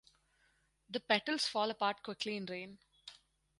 The petals fall apart quickly in rain.